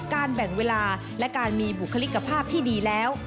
แบ่งเวลาและการมีบุคลิกภาพที่ดีแล้ว